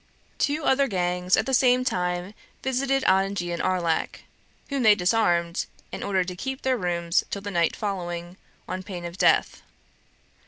Two other gangs at the same time visited Ottigny and Arlac, whom they disarmed, and ordered to keep their rooms till the night following, on pain of death.